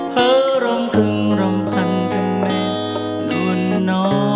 เผอร์ลำคึงลำพันธุ์ถึงแม่นวลน้อ